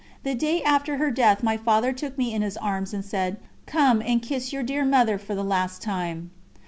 The day after her death my Father took me in his arms and said: "Come and kiss your dear Mother for the last time."